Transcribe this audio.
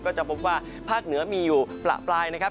ก็จะพบว่าภาคเหนือมีอยู่ประปรายนะครับ